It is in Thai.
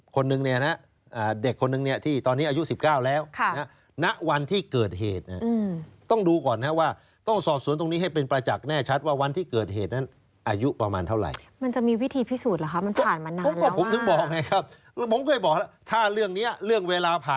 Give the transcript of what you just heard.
คนนึงเด็กคนนึงเนี่ยที่ตอนนี้อายุ๑๙แล้ว